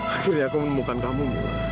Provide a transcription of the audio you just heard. akhirnya aku menemukan kamu